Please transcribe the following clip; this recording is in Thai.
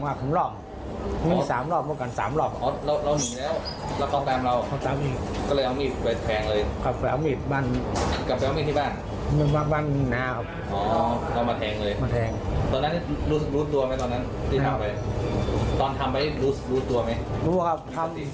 ความรู้ตัวไหมตอนนั้นตอนที่ทำไปตอนทำไปรู้ตัวไหม